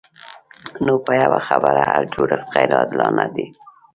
نو په یوه خبره هر جوړښت غیر عادلانه دی.